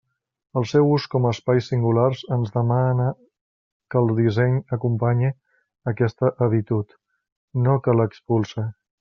El seu ús com a espais singulars ens demana que el disseny acompanye aquesta habitud, no que l'expulse.